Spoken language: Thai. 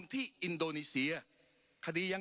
ปรับไปเท่าไหร่ทราบไหมครับ